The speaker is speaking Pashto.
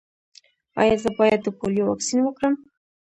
ایا زه باید د پولیو واکسین وکړم؟